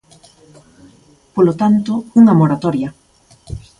Polo tanto, unha moratoria.